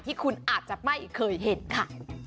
ที่คุณอาจจะไม่เคยเห็นค่ะ